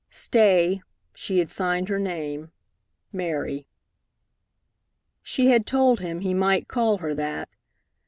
Stay, she had signed her name "Mary." She had told him he might call her that.